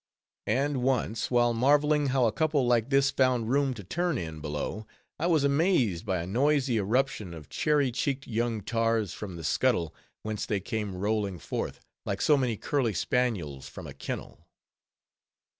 And once, while marveling how a couple like this found room to turn in, below, I was amazed by a noisy irruption of cherry cheeked young tars from the scuttle, whence they came rolling forth, like so many curly spaniels from a kennel.